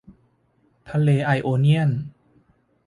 ทะเลไอโอเนียน